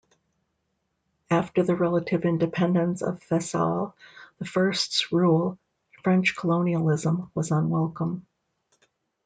After the relative independence of Faisal the First's rule, French colonialism was unwelcome.